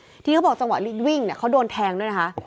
ที่เขาบอกจังหวะวิ่งเนี่ยเขาโดนแทงด้วยนะคะ